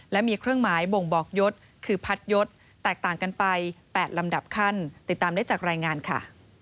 และมีเครื่องหมายบ่งบอกยศคือพัดยศแตกต่างกันไป๘ลำดับขั้นติดตามได้จากรายงานค่ะ